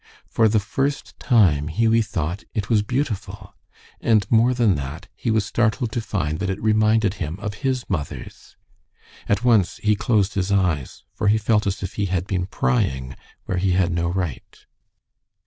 For the first time Hughie thought it was beautiful, and more than that, he was startled to find that it reminded him of his mother's. At once he closed his eyes, for he felt as if he had been prying where he had no right.